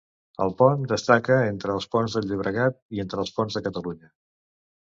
El pont destaca entre els ponts del Llobregat i entre els ponts de Catalunya.